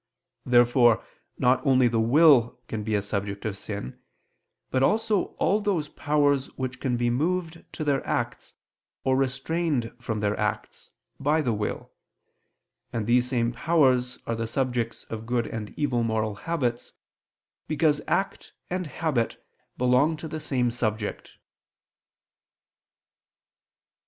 Therefore not only the will can be a subject of sin, but also all those powers which can be moved to their acts, or restrained from their acts, by the will; and these same powers are the subjects of good and evil moral habits, because act and habit belong to the same subject.